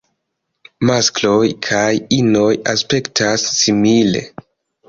Maskloj kaj inoj aspektas simile.